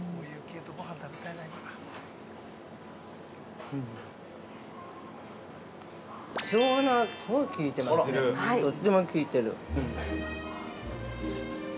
とっても効いてる。